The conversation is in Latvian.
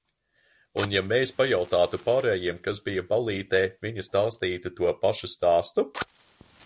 Un ja mēs pajautātu pārējiem, kas bija ballītē, viņi stāstītu to pašu stāstu?